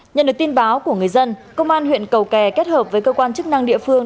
nhận được tin báo của người dân công an huyện cầu kè kết hợp với cơ quan chức năng địa phương